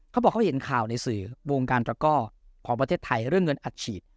เขาบอกเขาเห็นข่าวในสื่อวงการตระก้อของประเทศไทยเรื่องเงินอัดฉีด